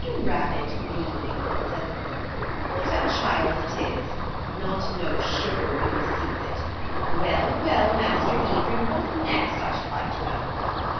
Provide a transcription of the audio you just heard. "Drabbit me," said the cook, "what a child it is! Not know sugar when he sees it! Well, well, Master Edred, what next, I should like to know?"